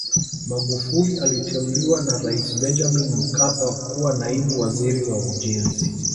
Magufuli aliteuliwa na Rais Benjamin Mkapa kuwa naibu waziri wa ujenzi